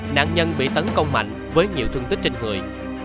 nạn nhân bị tấn công mạnh với nhiều thương tích trên người